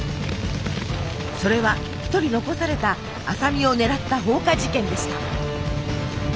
それは一人残された麻美を狙った放火事件でした。